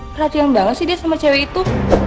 perhatian banget sih dia sama cewek itu